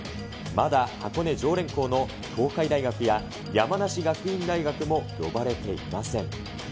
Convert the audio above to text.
まだ箱根常連校の東海大学や山梨学院大学も呼ばれていません。